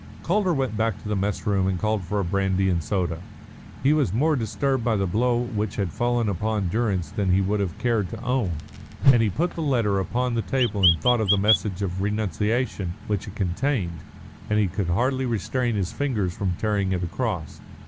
Calder went back to the mess room and called for a brandy and soda. He was more disturbed by the blow which had fallen upon Durrance than he would have cared to own; and he put the letter upon the table and thought of the message of renunciation which it contained, and he could hardly restrain his fingers from tearing it across.